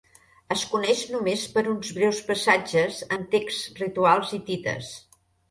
Es coneix només per uns breus passatges en texts rituals hitites.